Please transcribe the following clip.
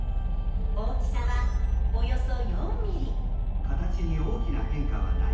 大きさはおよそ４ｍｍ。